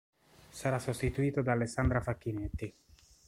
Sarà sostituito da Alessandra Facchinetti.